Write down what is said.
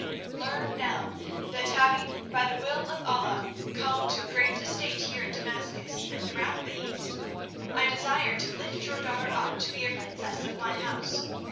"Learn now that, having by the will of Allah come to great estate here at Damascus and throughout the East, I desire to lift your daughter up to be a princess of my house.